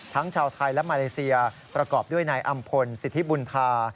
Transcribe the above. ชาวไทยและมาเลเซียประกอบด้วยนายอำพลสิทธิบุญธา